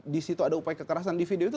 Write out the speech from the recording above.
di situ ada upaya kekerasan di video itu